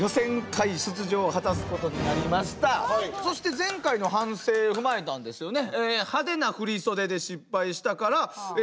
そして前回の反省を踏まえたんですよね。